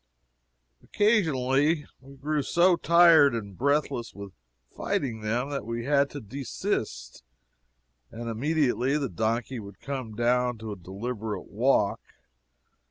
Occasionally we grew so tired and breathless with fighting them that we had to desist, and immediately the donkey would come down to a deliberate walk.